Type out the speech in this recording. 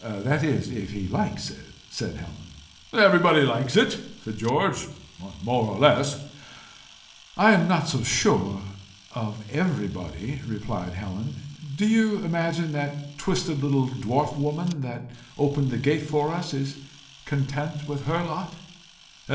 "That is if he likes it," said Helen. "Everybody likes it," said George, " more or less." "I am not so sure of EVERYbody," replied Helen. "Do you imagine that twisted little dwarf woman that opened the gate for us is content with her lot?"